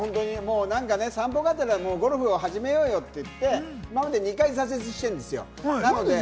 なんか散歩がてらゴルフを始めようよって言って今まで２回挫折してるんですよ。